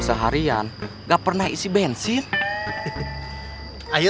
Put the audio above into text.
nah kita ke taman bermain yuk